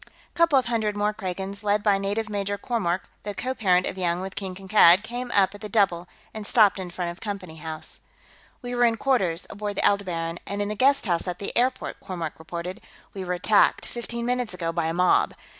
A couple of hundred more Kragans, led by Native Major Kormork, the co parent of young with King Kankad, came up at the double and stopped in front of Company House. "We were in quarters, aboard the Aldebaran and in the guesthouse at the airport," Kormork reported. "We were attacked, fifteen minutes ago, by a mob.